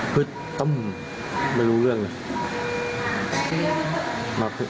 ฮึ๊ดต้มไม่รู้เรื่องเลย